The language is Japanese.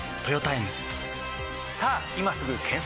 さぁ今すぐ検索！